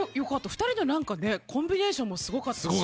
２人のコンビネーションもすごかったし。